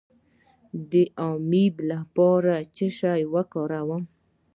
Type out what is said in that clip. د امیب لپاره باید څه شی وکاروم؟